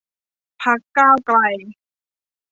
พรรคก้าวไกล